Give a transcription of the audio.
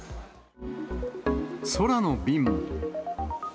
空の便も。